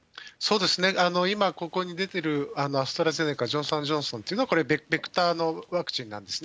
今ここに出てるアストラゼネカ、ジョンソン・エンド・ジョンソンというのは、これベクターのワクチンなんですね。